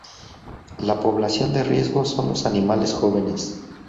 La población de riesgo son los animales jóvenes.